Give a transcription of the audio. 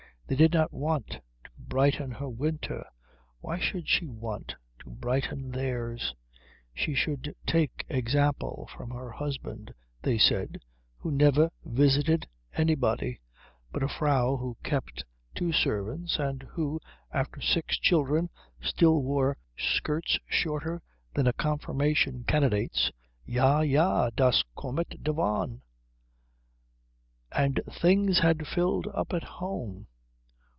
They did not want to brighten her winter; why should she want to brighten theirs? She should take example from her husband, they said, who never visited anybody. But a Frau who kept two servants and who after six children still wore skirts shorter than a Confirmation candidate's ja, ja, das kommt davon. And things had filled up at home.